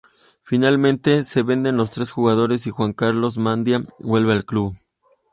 Finalmente se venden los tres jugadores y Juan Carlos Mandiá vuelve al club.